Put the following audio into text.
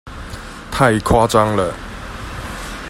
太誇張了！